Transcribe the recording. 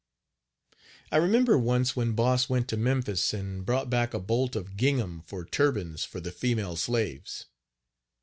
I remember once when Boss went to Memphis and brought back a bolt of gingham for turbans for the female slaves.